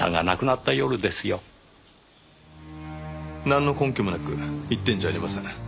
なんの根拠もなく言ってるんじゃありません。